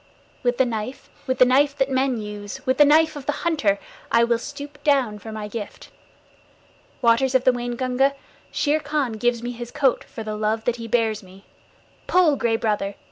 With the knife, with the knife that men use, with the knife of the hunter, I will stoop down for my gift. Waters of the Waingunga, Shere Khan gives me his coat for the love that he bears me. Pull, Gray Brother!